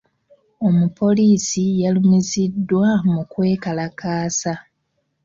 Omupoliisi yalumiziddwa mu kwe kalakaasa.